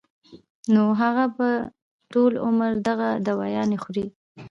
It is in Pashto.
نو هغه به ټول عمر دغه دوايانې خوري